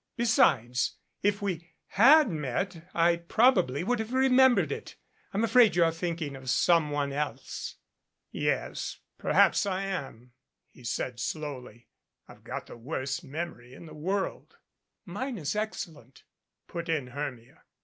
Besides, if we had met, I probably would have remembered it. I'm afraid you're thinking of some one else." "Yes, perhaps I am," he said slowly. "I've got the worst memory in the world " "Mine is excellent," put in Hermia.